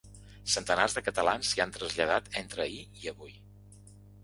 Centenars de catalans s’hi han traslladat entre ahir i avui.